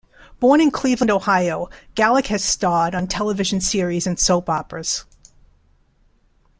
Born in Cleveland, Ohio, Galik has starred on television series and soap operas.